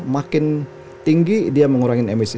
makin tinggi dia mengurangi emisi